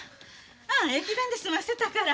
駅弁で済ませたから。